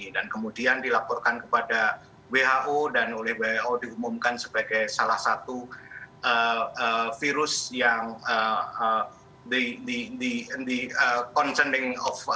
dan kemudian dilaporkan kepada who dan oleh who diumumkan sebagai salah satu virus yang